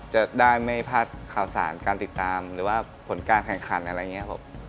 จะได้ไม่พลาดข่าวสารการติดตามหรือว่าผลการแข่งขันอะไรอย่างนี้ครับ